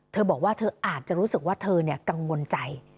เธอบอกว่าเธออาจจะรู้สึกว่าเธอกังวลใจ